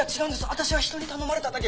私は人に頼まれただけ。